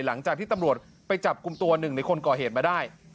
หลังจากที่ตำรวจไปจับกลุ่มตัวหนึ่งในคนก่อเหตุมาได้